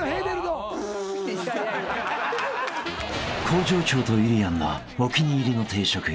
［向上長とゆりやんのお気に入りの定食へ］